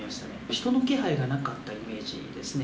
人の気配がなかったイメージですね。